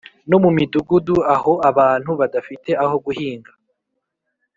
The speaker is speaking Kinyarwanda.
no mu midugudu, aho abantu badafite aho guhinga